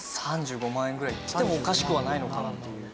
３５万円ぐらいいっててもおかしくはないのかなっていう。